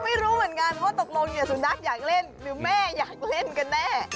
ไม่รู้เหมือนกันว่าตกลงเนี่ยสุนัขอยากเล่นหรือแม่อยากเล่นกันแน่